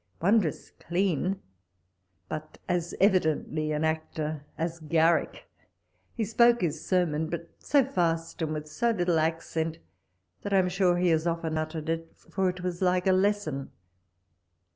Wondrous clean, but as evidently an actor as Garrick. He spoke his sermon, but so fast, and with so little accent, that I am sure he has often uttered it, for it was like a lesson.